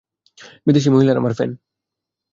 বিদেশি মহিলারা আমার ফ্যান।